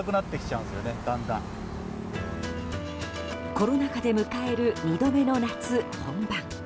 コロナ禍で迎える２度目の夏本番。